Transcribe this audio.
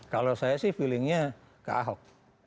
kalau saya sih feelingnya ke ahok